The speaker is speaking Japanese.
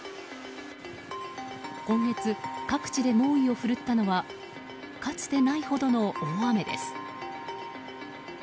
今月、各地で猛威を振るったのはかつてないほどの大雨です。